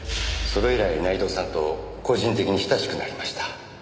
それ以来内藤さんと個人的に親しくなりました。